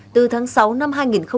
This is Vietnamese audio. từ tháng sáu năm hai nghìn hai mươi ba